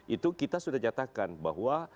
itu kita sudah nyatakan bahwa